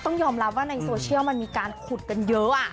ต้องยอมรับว่าในโซเชียลมันมีการขุดกันเยอะ